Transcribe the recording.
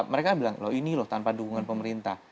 mereka bilang loh ini loh tanpa dukungan pemerintah